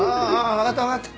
わかったわかった。